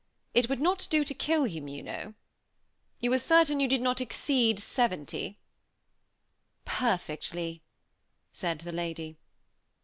It would not do to kill him, you know. You are certain you did not exceed seventy?" "Perfectly," said the lady.